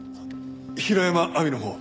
平山亜美のほうは？